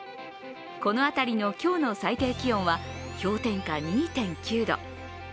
この辺りの今日の最低気温は氷点下２．９度。